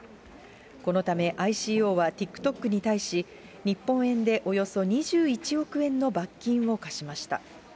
このためＩＣＯはＴｉｋＴｏｋに対し、日本円でおよそ２１億円の罰金を科しました。